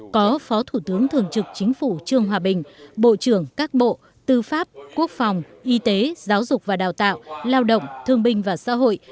có phó thủ tướng thường trực chính phủ trương hòa bình bộ trưởng các bộ tư pháp quốc phòng y tế giáo dục và đào tạo lao động thương binh và xã hội